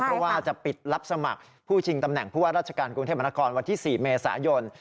เพราะว่าจะปิดรับสมัครผู้ชิงตำแหน่งผู้ว่าราชการกรุงเทพมนาคมวันที่๔เมษายน